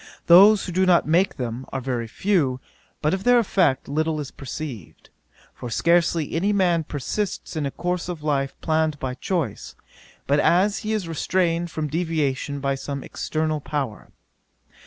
Those who do not make them are very few, but of their effect little is perceived; for scarcely any man persists in a course of life planned by choice, but as he is restrained from deviation by some external power.